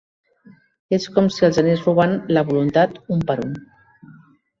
És com si els anés robant la voluntat un per un.